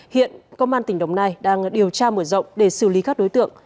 hiện công an tỉnh đồng nai đang điều tra mở rộng để xử lý các đối tượng